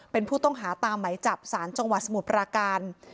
เป็นผู้ต้องหาตามไหมจับสารจังหวัดสมุทรปราการ